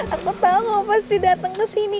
aku tau kamu pasti dateng kesini